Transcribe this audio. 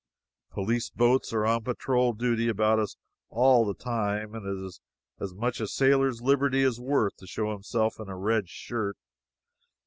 Police boats are on patrol duty about us all the time, and it is as much as a sailor's liberty is worth to show himself in a red shirt.